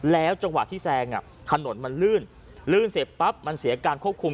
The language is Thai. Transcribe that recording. จังหวะที่แซงถนนมันลื่นลื่นเสร็จปั๊บมันเสียการควบคุม